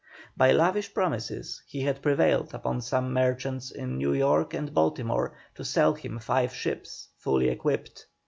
By lavish promises he had prevailed upon some merchants in New York and Baltimore to sell him five ships, fully equipped.